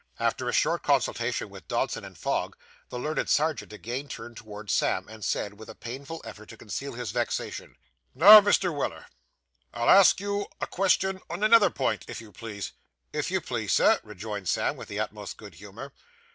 After a short consultation with Dodson & Fogg, the learned Serjeant again turned towards Sam, and said, with a painful effort to conceal his vexation, 'Now, Mr. Weller, I'll ask you a question on another point, if you please.' 'If you please, Sir,' rejoined Sam, with the utmost good humour.